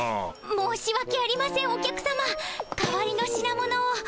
申しわけありませんお客さま代わりの品物を。